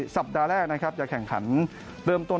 สัปดาห์แรกจะแข่งขันเริ่มต้น